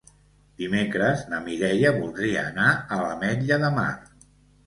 Dimecres na Mireia voldria anar a l'Ametlla de Mar.